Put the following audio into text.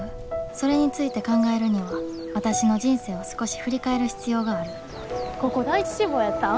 それについて考えるにはわたしの人生を少し振り返る必要があるここ第一志望やったん？